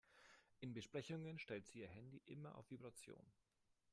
In Besprechungen stellt sie ihr Handy immer auf Vibration.